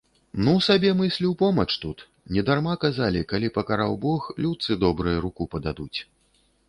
Ну сабе мыслю, помач тут, недарма казалі, калі пакараў бог, людцы добрыя руку пададуць.